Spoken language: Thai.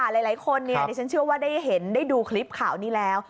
หลายคนดิฉันเชื่อว่าได้เห็นได้ดูคลิปข่าวนี้แล้ว